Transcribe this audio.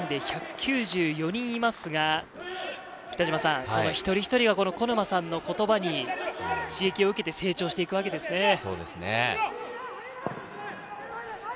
部員は全員で１９４人いますが、その一人一人が古沼さんの言葉に刺激を受けて、成長していくわけですね。